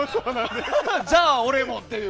じゃあ俺もっていう。